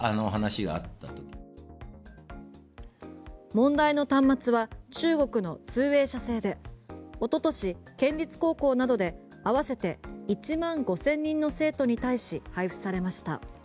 問題の端末は中国のツーウェイ社製で一昨年、県立高校など合わせて１万５０００人の生徒に対し配布されました。